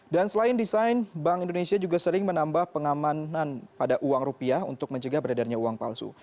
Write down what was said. dan selain desain bank indonesia juga sering menambah pengamanan pada uang rupiah untuk menjaga beredarnya uang palsu